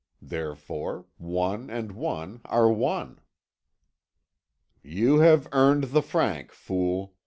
Therefore, one and one are one. "You have earned the franc, fool.